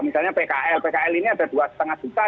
misalnya pkl pkl ini ada dua lima juta